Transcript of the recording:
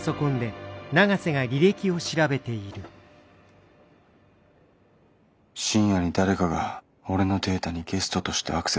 深夜に誰かが俺のデータに「ゲスト」としてアクセスしてる。